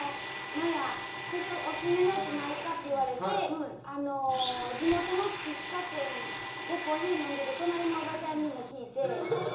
オススメのはないかって聞かれて地元の喫茶店でコーヒー飲んでて隣のおばちゃんにも聞いて。